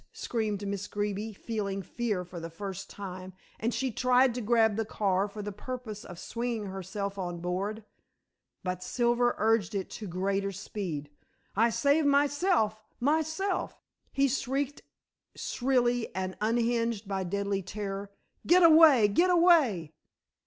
screamed Miss Greeby, feeling fear for the first time, and she tried to grab the car for the purpose of swinging herself on board. But Silver urged it to greater speed. "I save myself; myself," he shrieked shrilly and unhinged by deadly terror, "get away; get away."